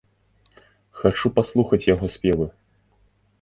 Хачу паслухаць яго спевы!